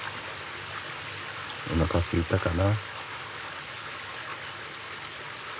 おなかすいたかな？